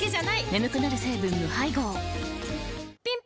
眠くなる成分無配合ぴん